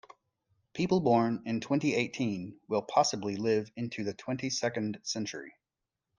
People born in twenty-eighteen will possibly live into the twenty-second century.